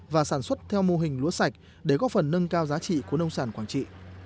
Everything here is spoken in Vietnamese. và sản xuất theo mô hình lúa sạch để góp phần nâng cao giá trị của nông sản quảng trị